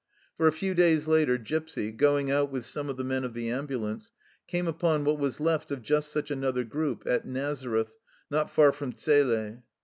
For a few days later Gipsy, going out with some of the men of the ambulance, came upon what was left of just such another group, at Nazareth, not far from Zele.